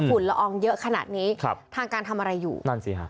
ละอองเยอะขนาดนี้ครับทางการทำอะไรอยู่นั่นสิฮะ